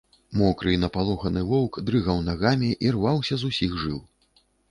Мокры і напалоханы воўк дрыгаў нагамі і рваўся з усіх жыл.